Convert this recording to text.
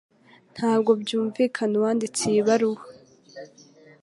Ntabwo byumvikana uwanditse iyi baruwa